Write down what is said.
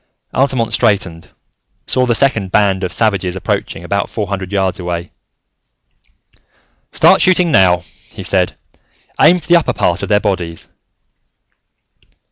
Altamont straightened, saw the second band of savages approaching about four hundred yards away. "Start shooting now," he said. "Aim for the upper part of their bodies."